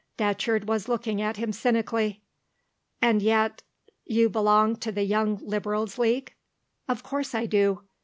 Datcherd was looking at him cynically. "And yet you belong to the Young Liberals' League." "Of course I do.